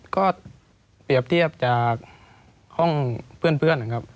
ก็เปรียบเทียบจากห้องเพื่อนนะครับ